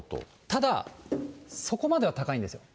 ただ、そこまでは高いんですよ。